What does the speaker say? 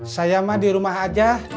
saya di rumah aja